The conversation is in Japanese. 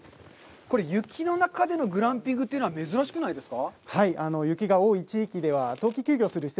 これ、雪の中でのグランピングというのは珍しくないですか。